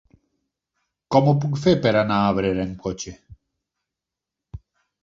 Com ho puc fer per anar a Abrera amb cotxe?